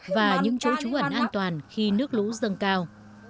và những chỗ trú ẩn an toàn khi nước lũ dâng cao